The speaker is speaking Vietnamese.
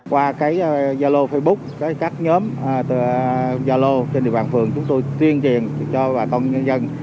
qua cái zalo facebook các nhóm zalo trên địa phương chúng tôi tuyên truyền cho bà tôn nhân dân